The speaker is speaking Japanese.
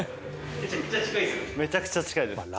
めちゃくちゃ近いですね。